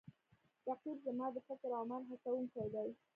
رقیب زما د فکر او عمل هڅوونکی دی